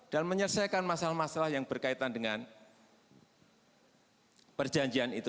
dan menyelesaikan masalah masalah yang berkaitan dengan perjanjian itu